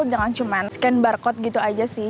jangan cuma scan barcode gitu aja sih